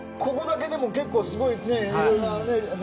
ここだけでも結構すごいいろんなね。